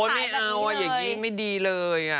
ไม่เอาอย่างนี้ไม่ดีเลย